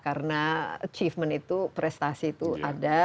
karena achievement itu prestasi itu ada